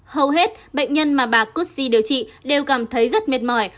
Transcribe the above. hầu hết bệnh nhân mà bà kutsi điều trị đều cảm thấy rất mệt mỏi